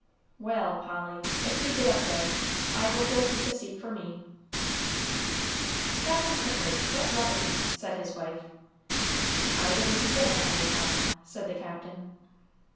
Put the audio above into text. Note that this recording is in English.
"Wal', Polly, if you git up there, I hope you'll keep a seat for me." "Cap'n Kittridge, what levity!" said his wife. "I didn't begin it, anyhow," said the Captain.